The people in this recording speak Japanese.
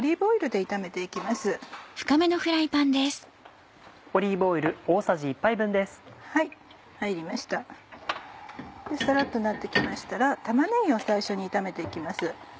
サラっとなって来ましたら玉ねぎを最初に炒めて行きます。